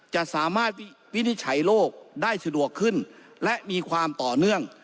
จะสามารถวินิจฉัยโลกได้สะดวกขึ้นและมีความต่อเนื่อง